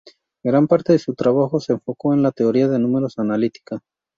Gran parte de su trabajo se enfocó en la teoría de números analítica.